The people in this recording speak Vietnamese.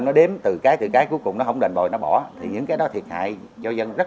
nó đếm từ cái tự cái cuối cùng nó không định bồi nó bỏ thì những cái đó thiệt hạiomm it cho dân rất